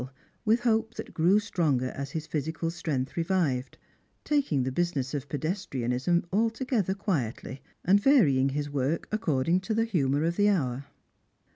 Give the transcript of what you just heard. Ill ^ OO ' with hope that grew stronger as his physical strength revived : taking the business of pedestrianism altogether quietly, and varying his work according to the humour of the hour.